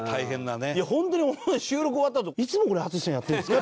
ホントに収録終わったあと「いつもこれ淳さんやってるんですか？」